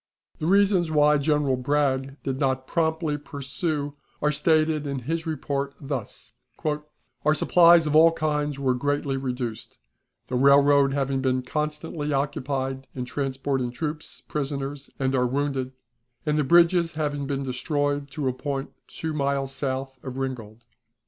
The reasons why General Bragg did not promptly pursue are stated in his report thus: "Our supplies of all kinds were greatly reduced, the railroad having been constantly occupied in transporting troops, prisoners, and our wounded, and the bridges having been destroyed to a point two miles south of Ringgold.